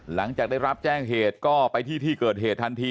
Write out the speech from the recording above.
หลังจากได้รับแจ้งเหตุก็ไปที่ที่เกิดเหตุทันที